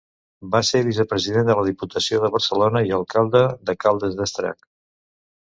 Va ser Vicepresident de la Diputació de Barcelona i Alcalde de Caldes d'Estrac.